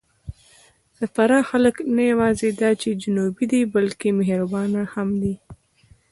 د فراه خلک نه یواځې دا چې جنوبي دي، بلکې مهربانه هم دي.